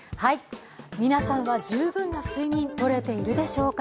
皆さんは十分な睡眠、とれているでしょうか。